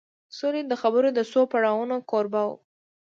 سولې د خبرو د څو پړاوونو کوربه و